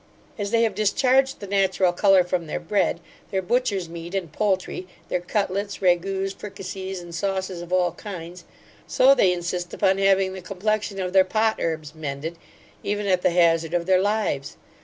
As they have discharged the natural colour from their bread, their butchers meat, and poultry, their cutlets, ragouts, fricassees and sauces of all kinds; so they insist upon having the complexion of their potherbs mended, even at the hazard of their lives.